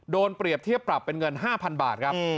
เปรียบเทียบปรับเป็นเงิน๕๐๐๐บาทครับ